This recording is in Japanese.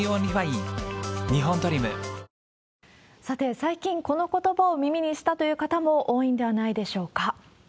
さて、最近、このことばを耳にしたという方も多いんではないでしょうか。